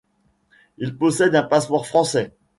Il possède un passeport français.